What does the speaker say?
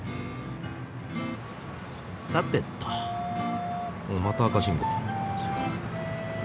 さてとまた赤信号。